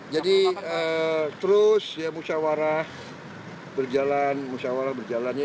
jadi terus ya musyawarah berjalan musyawarah berjalannya